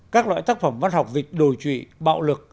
các loại tác phẩm văn học vịt đồ trụy bạo lực